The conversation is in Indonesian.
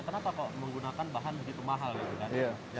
kenapa kok menggunakan bahan begitu mahal ya